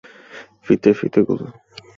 ফিতে ফিতে গুলো?